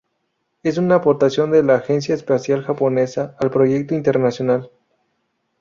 Es una aportación de la Agencia Espacial Japonesa al proyecto internacional.